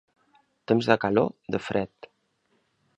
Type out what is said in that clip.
Temps de calor, de fred.